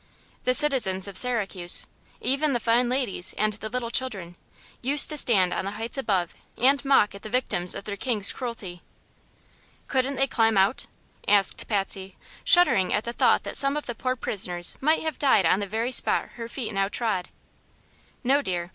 The citizens of Syracuse even the fine ladies and the little children used to stand on the heights above and mock at the victims of their king's cruelty." "Couldn't they climb out?" asked Patsy, shuddering at the thought that some of the poor prisoners might have died on the very spot her feet now trod. "No, dear.